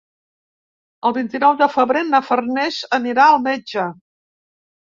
El vint-i-nou de febrer na Farners anirà al metge.